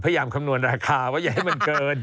พยายามคำนวณราคาว่าอย่าให้มันเกิด